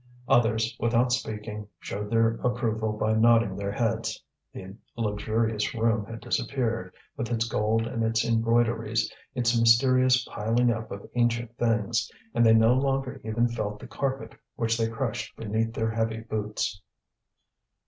Others, without speaking, showed their approval by nodding their heads. The luxurious room had disappeared, with its gold and its embroideries, its mysterious piling up of ancient things; and they no longer even felt the carpet which they crushed beneath their heavy boots.